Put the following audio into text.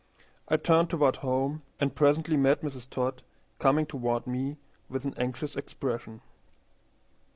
I turned toward home, and presently met Mrs. Todd coming toward me with an anxious expression.